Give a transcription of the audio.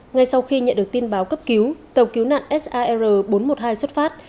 ngay sau khi nhận được tin báo cấp cứu tàu cứu nạn sar bốn trăm một mươi hai xuất phát